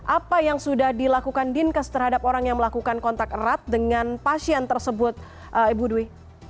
apa yang sudah dilakukan dinkes terhadap orang yang melakukan kontak erat dengan pasien tersebut ibu dwi